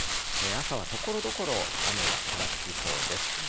朝はところどころ雨がぱらつきそうです。